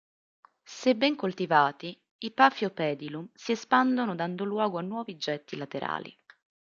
Se ben coltivati i Paphiopedilum si espandono dando luogo a nuovi getti laterali.